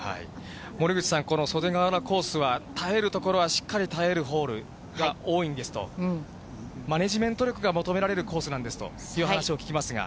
森口さん、この袖ヶ浦コースは、耐えるところは、しっかり耐えるホールが多いんですと、マネジメント力が求められるコースなんですという話を聞きますが。